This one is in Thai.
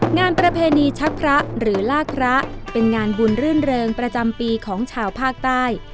งานประเพณีชักพระหรือลากพระเป็นงานบุญรื่นเริงประจำปีของชาวภาคใต้